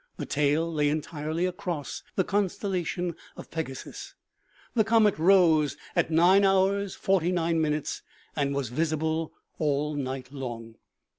The tail lay entirely across the constellation of Pegasus. The comet rose at Qh., 49in. and was visible all night long.